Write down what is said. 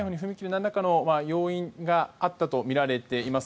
なんらかの要因があったとみられています。